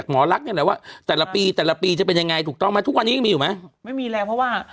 ไม่มีอะไรเพราะว่า